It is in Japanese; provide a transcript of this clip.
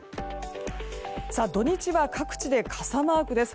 土日は各地で傘マークです。